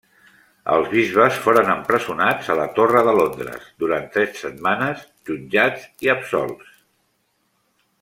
Els bisbes foren empresonats a la Torre de Londres durant tres setmanes, jutjats i absolts.